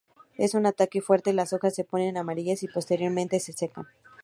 En un ataque fuerte las hojas se ponen amarillas y posteriormente se secan.